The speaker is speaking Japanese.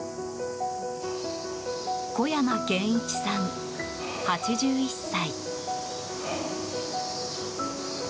小山謙一さん、８１歳。